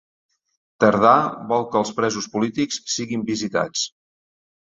Tardà vol que els presos polítics siguin visitats